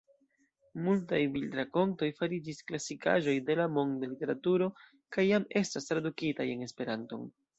Multaj bildrakontoj fariĝis klasikaĵoj de la monda literaturo kaj jam estas tradukitaj en Esperanton.